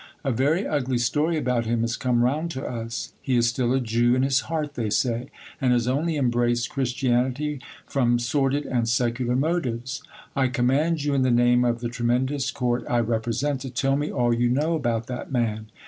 A very ugly story about him has come round to us. He is still a Jew in his heart, they say ; and has only embraced Chris tianity from sordid and secular motives. I command you, in the name of the tremendous court I represent, to tell me all you know about that man.